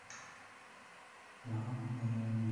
名字的由来是来自于设计家安部兼章。